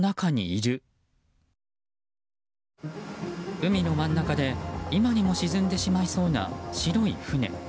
海の真ん中で今にも沈んでしまいそうな白い船。